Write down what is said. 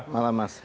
selamat malam mas